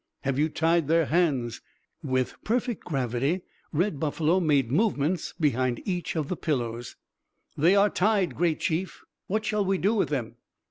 "Have you tied their hands?" With perfect gravity Red Buffalo made movements behind each of the pillows. "They are tied, great Chief." "What shall we do with them?"